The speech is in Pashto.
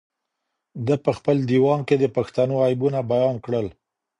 ده په خپل ديوان کې د پښتنو عیبونه بيان کړل.